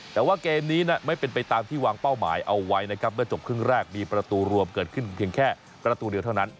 แต่ว่าเกมนี้ไม่เป็นไปตามที่วางเป้าหมายเอาไว้นะครับเมื่อจบครึ่งแรกมีประตูรวมเกิดขึ้นเพียงแค่ประตูเดียวเท่านั้น